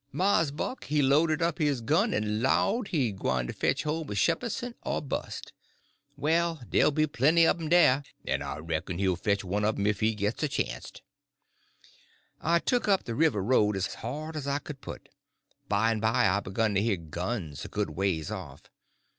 Mars Buck he loaded up his gun en 'lowed he's gwyne to fetch home a Shepherdson or bust. Well, dey'll be plenty un 'm dah, I reck'n, en you bet you he'll fetch one ef he gits a chanst." I took up the river road as hard as I could put. By and by I begin to hear guns a good ways off.